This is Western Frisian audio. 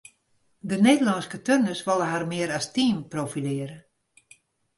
De Nederlânske turners wolle har mear as team profilearje.